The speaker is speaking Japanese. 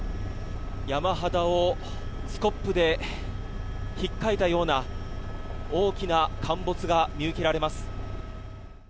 山肌をスコップでひっかいたような大きな陥没が見受けられます。